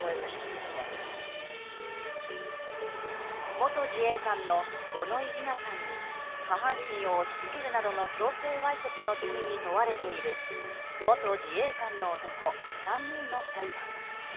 元自衛官の五ノ井里奈さんに下半身を押し付けるなどの強制わいせつの罪に問われている元自衛官の男３人の裁判。